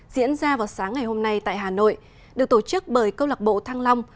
diễn ra vào sáng ngày hôm nay tại hà nội được tổ chức bởi câu lạc bộ thăng long